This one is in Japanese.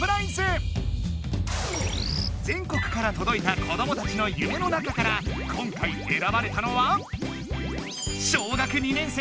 全国からとどいた子どもたちの「夢」の中から今回えらばれたのは。